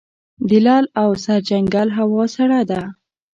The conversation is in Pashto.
د لعل او سرجنګل هوا سړه ده